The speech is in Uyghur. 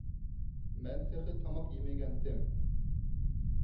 مەن تېخى تاماق يېمىگەنتىم.